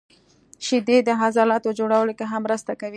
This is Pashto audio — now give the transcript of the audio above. • شیدې د عضلاتو جوړولو کې هم مرسته کوي.